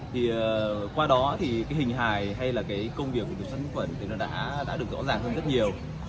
thì qua đó thì hình hài hay là công việc của kiểm soát những khuẩn thì nó đã được rõ ràng hơn rất nhiều